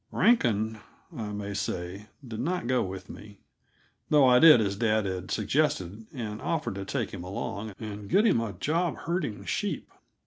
Rankin, I may say, did not go with me, though I did as dad had suggested and offered to take him along and get him a job herding sheep.